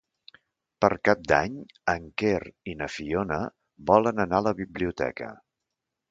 Per Cap d'Any en Quer i na Fiona volen anar a la biblioteca.